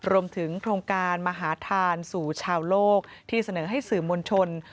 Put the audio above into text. รวมถึงโครงการมหาทานสู่ชาวโลกที่เสนอให้สื่อมวลชน